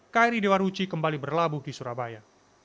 kri dewa ruci kembali berlabuh di surabaya